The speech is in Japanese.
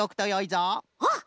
あっ！